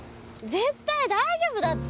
絶対大丈夫だって。